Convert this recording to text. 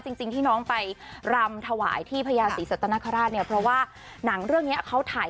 แสดงล้านก็เลยค่ะลำที่หน้าพญาศีสัตว์นาคาราชค่ะลำถวายค่ะลำถวาย